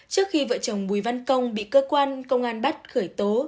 trước khi vợ chồng bùi văn công bị cơ quan công an bắt khởi tố